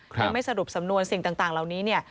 ยังไม่สรุปสำนวนสิ่งต่างเหล่านี้เนี่ย